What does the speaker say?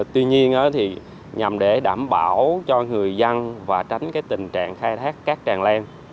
tuy nhiên nhằm để đảm bảo cho người dân và tránh tình trạng khai thác cát tràn len